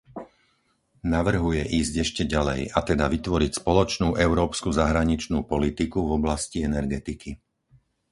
Navrhuje ísť ešte ďalej, a teda vytvoriť spoločnú európsku zahraničnú politiku v oblasti energetiky.